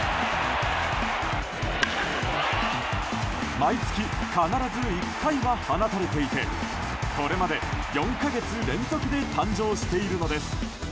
毎月、必ず１回は放たれていてこれまで４か月連続で誕生しているのです。